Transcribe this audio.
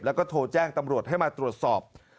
แล้วก็โทรแจ้งตำรวจให้มาตรวจสอบ